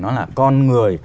nó là con người